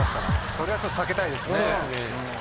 それはちょっと避けたいですね。